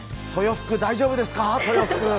豊福大丈夫ですか？